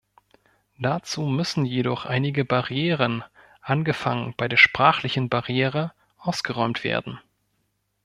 Dazu müssen jedoch einige Barrieren, angefangen bei der sprachlichen Barriere, ausgeräumt werden.